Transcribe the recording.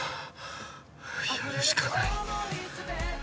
やるしかない。